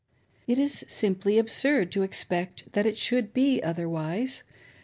It is simply absurd to expect that it should be otherwise.